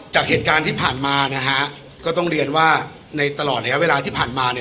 จากเหตุการณ์ที่ผ่านมานะฮะก็ต้องเรียนว่าในตลอดระยะเวลาที่ผ่านมาเนี่ย